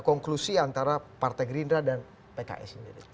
konklusi antara partai gerindra dan pks sendiri